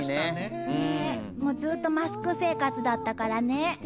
ずっとマスク生活だったからね。